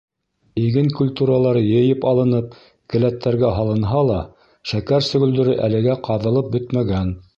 Иген культуралары йыйып алынып, келәттәргә һалынһа ла, шәкәр сөгөлдөрө әлегә ҡаҙылып бөтмәгән.